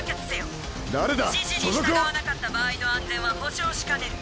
指示に従わなかった場合の安全は保証しかねる。